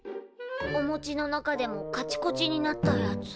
おもちの中でもカチコチになったやつ。